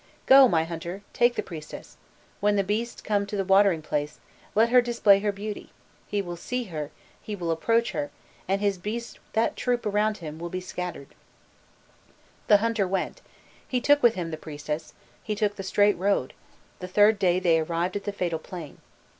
"'Go, my hunter, take the priestess; when the beasts come to the watering place, let her display her beauty; he will see her, he will approach her, and his beasts that troop around him will be scattered.'" The hunter went, he took with him the priestess, he took the straight road; the third day they arrived at the fatal plain.